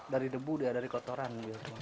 dari debu dari kotoran